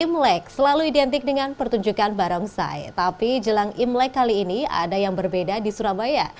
imlek selalu identik dengan pertunjukan barongsai tapi jelang imlek kali ini ada yang berbeda di surabaya